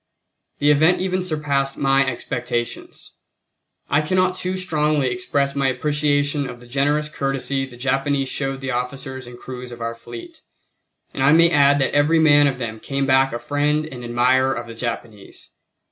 The event even surpassed my expectations. I cannot too strongly express my appreciation of the generous courtesy the Japanese showed the officers and crews of our fleet; and I may add that every man of them came back a friend and admirer of the Japanese.